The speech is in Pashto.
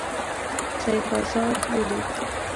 سیف آزاد ولید.